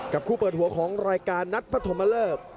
กับคู่เปิดหัวของรายการนัดพัดธมเลิศ